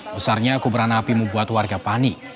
besarnya kuburan api membuat warga panik